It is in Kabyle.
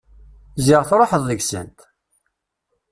Ziɣ truḥeḍ deg-sent!